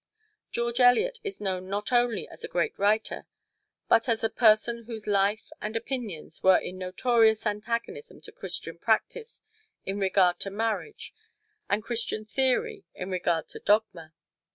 George Eliot is known not only as a great writer, but as a person whose life and opinions were in notorious antagonism to Christian practise in regard to marriage, and Christian theory in regard to dogma.